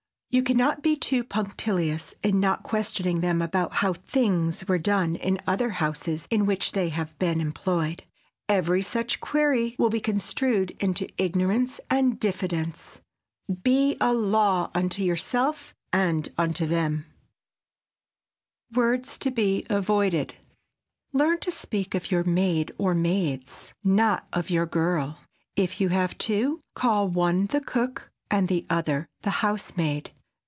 You can not be too punctilious in not questioning them about how "things" were done in other houses in which they have been employed. Every such query will be construed into ignorance and diffidence. Be a law unto yourself and unto them. [Sidenote: WORDS TO BE AVOIDED] Learn to speak of your "maid" or "maids," not of your "girl." If you have two, call one the cook and the other the housemaid.